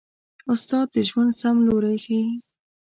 استاد د ژوند سم لوری ښيي.